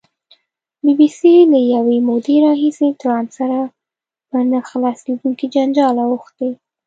بي بي سي له یوې مودې راهیسې ټرمپ سره په نه خلاصېدونکي جنجال اوښتې.